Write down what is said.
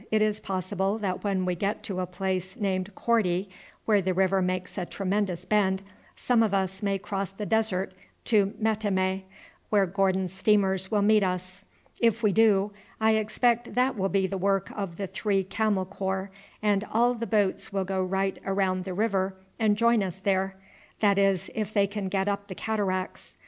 It is possible that when we get to a place named Korti, where the river makes a tremendous bend, some of us may cross the desert to Metemmeh, where Gordon's steamers will meet us. If we do I expect that will be the work of the three Camel Corps, and all the boats will go right round the river and join us there; that is, if they can get up the cataracts.